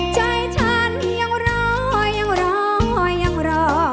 ใจฉันยังรอยังรอยังรอ